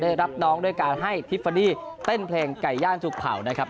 ได้รับน้องด้วยการให้ทิฟฟาดี้เต้นเพลงไก่ย่างจุกเผานะครับ